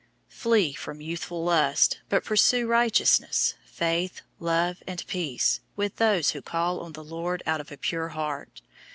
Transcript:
002:022 Flee from youthful lusts; but pursue righteousness, faith, love, and peace with those who call on the Lord out of a pure heart.